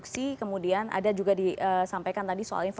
tidak ada saya perlu tanya anggotanya